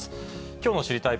きょうの知りたいッ！